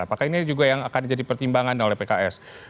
apakah ini juga yang akan jadi pertimbangan oleh pks